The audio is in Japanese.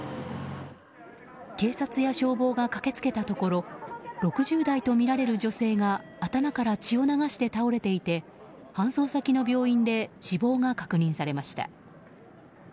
警察や消防が駆け付けたところ６０代とみられる女性が頭から血を流して倒れていて搬送先の病院で死亡が確認されました。